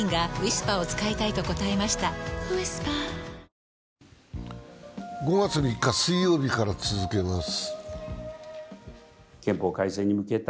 ニトリ５月３日水曜日から続けます。